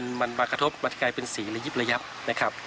มันมากระทบมันกลายเป็นสีระยิบระยับนะครับ